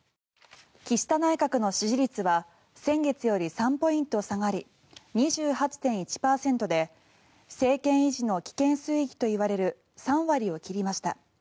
岸田内閣の支持率は先月より３ポイント下がり２８．１％で政権維持の危険水域といわれる３割を切りました。